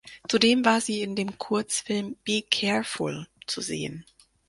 Zudem war sie in dem Kurzfilm "Be careful" zu sehen.